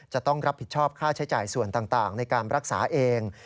จะต้องรับผิดชอบค่าใช้จ่ายส่วนต่างในการรักษาเอง